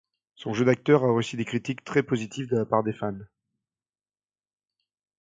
Son jeu d'acteur a reçu des critiques très positives de la part des fans.